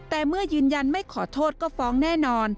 แต่เมื่อยืนยันไม่ขอโทษก็ฟ้องแน่นอน